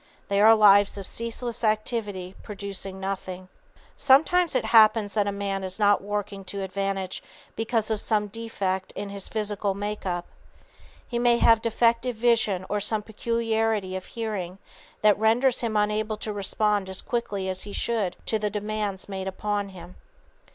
They are lives of ceaseless activity producing nothing. [Sidenote: Psychological Causes of Waste] Sometimes it happens that a man is not working to advantage because of some defect in his physical make up. He may have defective vision or some peculiarity of hearing that renders him unable to respond as quickly as he should to the demands made upon him.